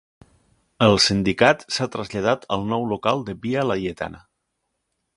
El sindicat s'ha traslladat al nou local de Via Laietana.